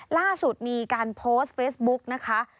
ล่าสุดมีการโพสต์เฟซบุ๊กนะคะ